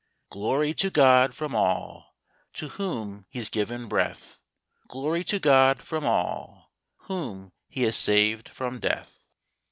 " Glory to God from all To whom He's given breath ; Glory to God from all Whom He has saved from death."